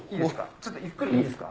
ちょっとゆっくりいいですか？